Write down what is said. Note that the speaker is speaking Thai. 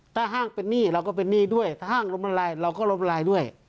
ถ้าห้างเป็นหนี้เราก็เป็นหนี้ด้วยถ้าห้างล้มละลายเราก็ล้มละลายด้วย